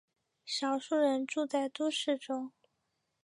少数人住在都市中。